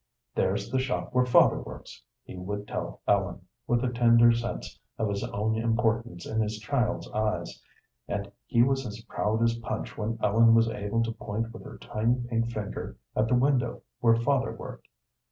"There's the shop where father works," he would tell Ellen, with a tender sense of his own importance in his child's eyes, and he was as proud as Punch when Ellen was able to point with her tiny pink finger at the window where father worked.